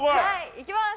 行きます！